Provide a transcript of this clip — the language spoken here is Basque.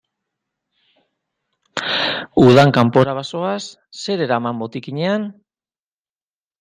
Udan kanpora bazoaz, zer eraman botikinean?